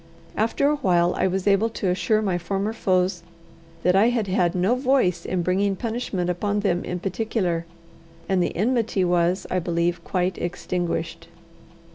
After a while I was able to assure my former foes that I had had no voice in bringing punishment upon them in particular, and the enmity was, I believe, quite extinguished.